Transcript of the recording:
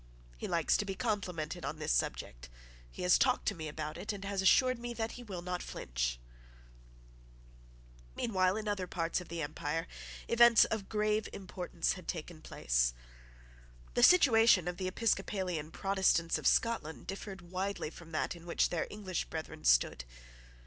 He likes to be complimented on this subject. He has talked to me about it, and has assured me that he will not flinch." Meanwhile in other parts of the empire events of grave importance had taken place. The situation of the episcopalian Protestants of Scotland differed widely from that in which their English brethren stood.